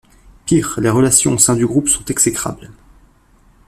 Pire, les relations au sein du groupe sont exécrables.